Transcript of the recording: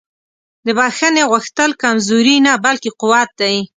د بښنې غوښتل کمزوري نه بلکې قوت دی.